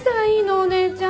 お姉ちゃん。